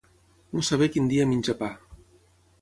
No saber quin dia menja pa.